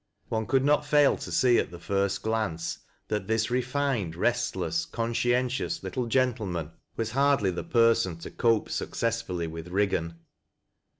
One could no! 4 THAT LASS Of LO WBISf8. fail to see at the first glance, that this refined, restlee*. conBcieutious little gentleman was hardly the person to cope successfully with Eiggan.